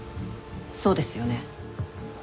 そうですよね？